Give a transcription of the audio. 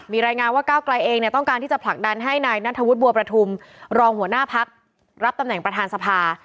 มีรายงานว่าก้าวไกลเองเนี่ยต้องการที่จะผลักดันให้นายนัทธวุฒิบัวประทุมรองหัวหน้าพักรับตำแหน่งประธานสภา